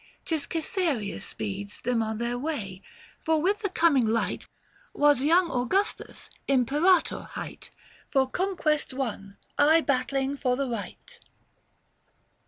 'Tis Cythereia speeds 775 Them on their way ; for with the coming light Was young Augustus Imperator hight, For conquests won, aye battling for the right.